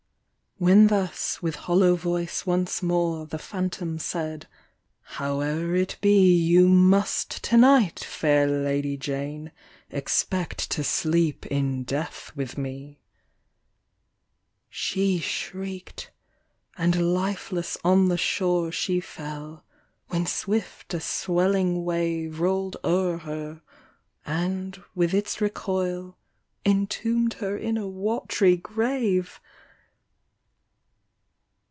II When thus, with hollow voice, once more, The phanthom said —" Howe'er it be, You must to night, fair Lady Jane, Expect to sleep in death with me !" She shriek'd, and lifeless on the shore She fell ; when swift a swelling wave Roll'd o'er her, and, with its recoil, Entomb' d her in a wat'ry grave